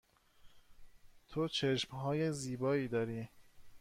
تو چشم های زیبایی داری.